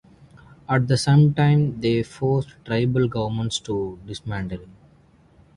At the same time, they forced tribal governments to dismantle.